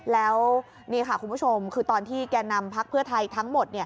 แล้วนี่ค่ะคุณผู้ชมคือตอนที่แก่นำพักเพื่อไทยทั้งหมด